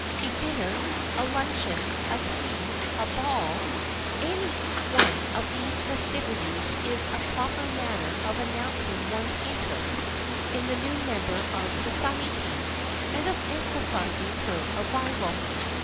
A dinner, a luncheon, a tea, a ball—any one of these festivities is a proper manner of announcing one's interest in the new member of society and of emphasizing her arrival.